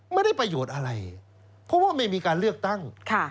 ไม่ได้ประโยชน์อะไรเพราะว่าไม่มีการเลือกตั้ง